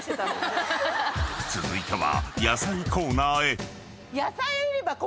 ［続いては］